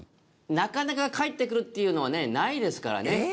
なかなか返ってくるっていうのはねないですからね。